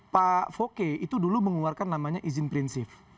pak foke itu dulu mengeluarkan namanya izin prinsip